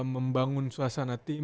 membangun suasana tim